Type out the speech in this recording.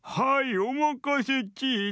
おまかせチーナ」。